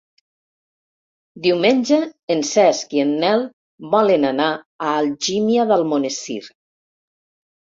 Diumenge en Cesc i en Nel volen anar a Algímia d'Almonesir.